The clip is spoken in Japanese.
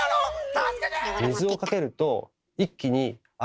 助けて！